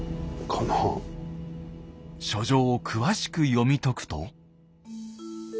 書状を詳しく読み解くと。